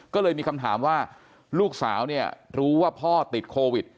ก็เลยมีคำถามว่าลูกสาวเนี่ยรู้ว่าพ่อติดโควิด